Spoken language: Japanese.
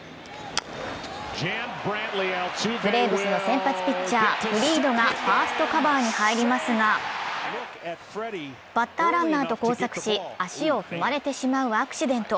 ブレーブスの先発ピッチャー・フリードがファーストカバーに入りますがバッターランナーと交錯し足を踏まれてしまうアクシデント。